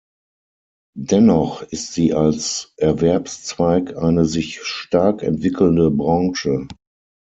Dennoch ist sie als Erwerbszweig eine sich stark entwickelnde Branche.